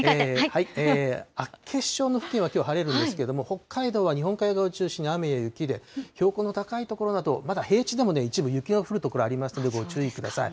厚岸町の付近はきょうは晴れるんですけれども、北海道は日本海側を中心に雨や雪で、標高の高い所などまだ平地でも一部、雪の降る所ありますんで、ご注意ください。